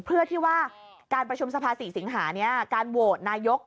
เพื่อที่ว่าการประชุมสภา๔สิงหานี้การโหวตนายก